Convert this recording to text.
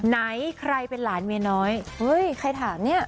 ไหนใครเป็นหลานเมียน้อยเฮ้ยใครถามเนี่ย